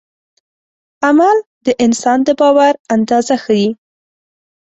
عمل د انسان د باور اندازه ښيي.